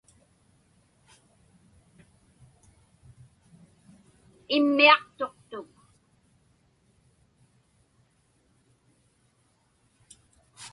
Immiaqtuqtuk.